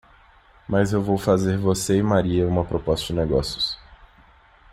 Mas eu vou fazer você e Maria uma proposta de negócios.